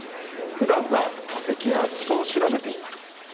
ふだんは化石や地層を調べています。